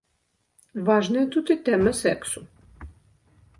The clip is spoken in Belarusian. Важная тут і тэма сэксу.